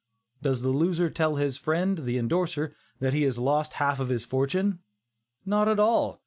Does the loser tell his friend, the indorser, that he has lost half of his fortune? Not at all.